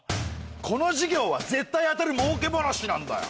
この事業は絶対当たる儲け話なんだよ！